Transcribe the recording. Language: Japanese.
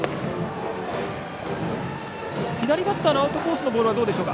左バッターのアウトコースへのボールはどうでしょう。